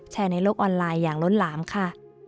ในโลกออนไลน์อย่างล้นหลามค่ะ